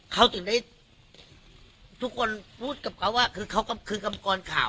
เขาถึงได้ทุกคนพูดกับเขาว่าคือเขาก็คือกรรมกรข่าว